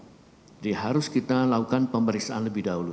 jadi harus kita lakukan pemeriksaan lebih dahulu